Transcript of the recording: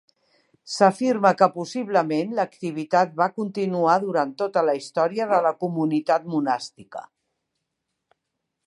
S'afirma que possiblement l'activitat va continuar durant tota la història de la comunitat monàstica.